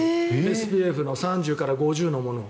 ＳＰＦ３０から５０のものを。